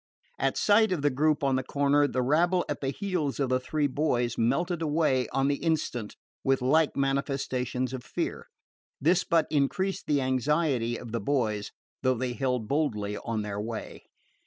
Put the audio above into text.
At sight of the group on the corner, the rabble at the heels of the three boys melted away on the instant with like manifestations of fear. This but increased the anxiety of the boys, though they held boldly on their way.